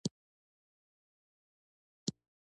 سورة یس ته د قران زړه ويل کيږي